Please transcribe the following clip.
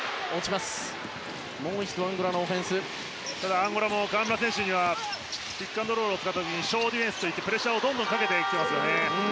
アンゴラも河村選手にはピックアンドロールを使った時にショーディフェンスでプレッシャーをどんどんかけていっていますね。